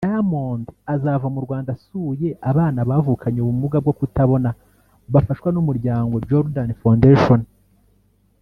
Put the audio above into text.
Diamond azava mu Rwanda asuye abana bavukanye ubumuga bwo kutabona bafashwa n’ Umuryango Jordan Foundation